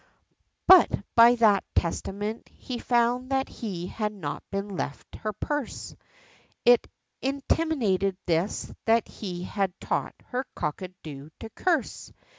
But by that testament, he found that he had not been left her purse, It intimated this, that he had taught her cockatoo to curse!